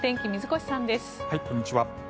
こんにちは。